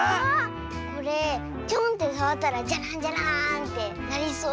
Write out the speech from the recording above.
これチョンってさわったらジャランジャラーンってなりそうだね。